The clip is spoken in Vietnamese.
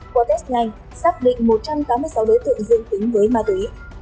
qua test nhanh xác định một trăm tám mươi sáu đối tượng dương tính với ma túy